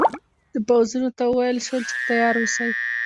د پوځونو ته وویل شول چې تیار اوسي.